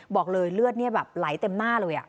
บอกเลยเลือดเนี่ยแบบไหลเต็มมากเลยอะ